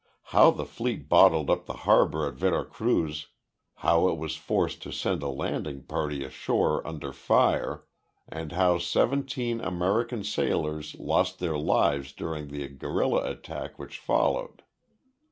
How the fleet bottled up the harbor at Vera Cruz, how it was forced to send a landing party ashore under fire, and how seventeen American sailors lost their lives during the guerrilla attack which followed.